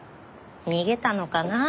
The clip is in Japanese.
逃げたのかなあ？